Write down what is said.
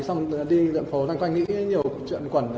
xong rồi đi đoạn phố lanh quanh nghĩ nhiều chuyện quẩn